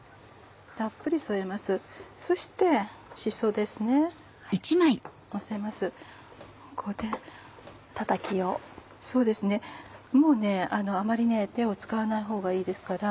そうですねもうあまり手を使わないほうがいいですから。